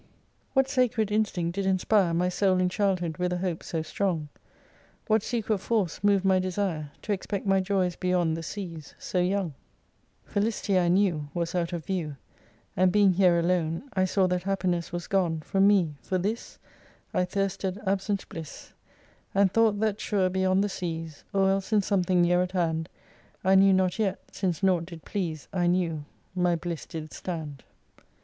3 "What sacred instinct did inspire My soul in childhood with a hope so strong ? What secret force moved my desire. To expect my joys beyond the seas, so young ? 178 Felicity I knew Was out of view : And being here alone, I saw that happiness was gone From me ! For this I thirsted absent bliss, And thought that sure beyond the seas, Or else in something near at hand I knew not yet, (since nought did please I knew,) my bliss did stand.